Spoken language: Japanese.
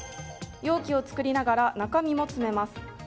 容器を作りながら中味も詰めます。